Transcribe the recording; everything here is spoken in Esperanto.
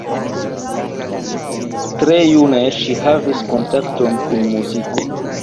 Tre june ŝi havis kontakton kun muziko.